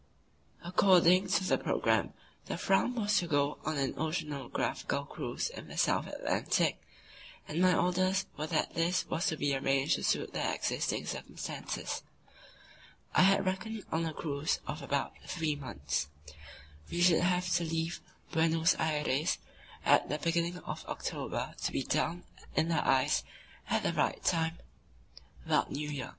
According to the programme, the Fram was to go on an oceanographical cruise in the South Atlantic, and my orders were that this was to be arranged to suit the existing circumstances. I had reckoned on a cruise of about three months. We should have to leave Buenos Aires at the beginning of October to be down in the ice at the right time (about the New Year).